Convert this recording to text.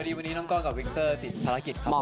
ดีวันนี้น้องก้อกับวิกเตอร์ติดภารกิจครับผม